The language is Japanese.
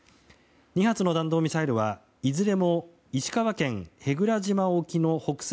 ２発の弾道ミサイルはいずれも石川県舳倉島沖の北西